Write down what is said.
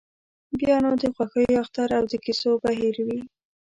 بیا نو د خوښیو اختر او د کیسو بهیر وي.